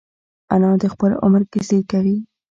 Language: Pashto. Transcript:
انا د خپل عمر کیسې کوي